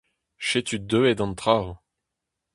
Setu deuet an traoù !